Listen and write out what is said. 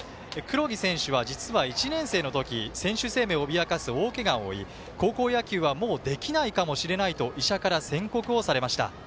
黒木選手は実は１年生の時選手生命を脅かす大けがを負い野球のプレーはもうできないかもしれないと医者から宣告されました。